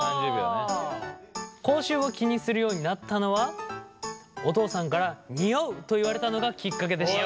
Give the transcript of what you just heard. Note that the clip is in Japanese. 口臭を気にするようになったのはお父さんから「ニオう！」と言われたのがきっかけでした。